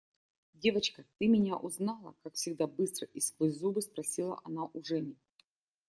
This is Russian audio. – Девочка, ты меня узнала? – как всегда быстро и сквозь зубы, спросила она у Жени.